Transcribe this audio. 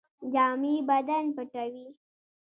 جامې بدن پټوي